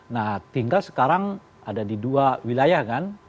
nah tinggal sekarang ada di dua wilayah kan